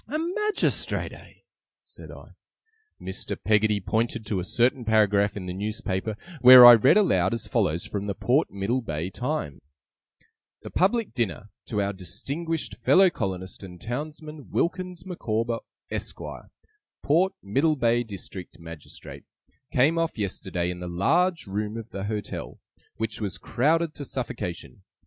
'A Magistrate, eh?' said I. Mr. Peggotty pointed to a certain paragraph in the newspaper, where I read aloud as follows, from the Port Middlebay Times: 'The public dinner to our distinguished fellow colonist and townsman, WILKINS MICAWBER, ESQUIRE, Port Middlebay District Magistrate, came off yesterday in the large room of the Hotel, which was crowded to suffocation.